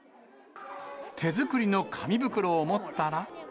手作りの紙袋を持ったら。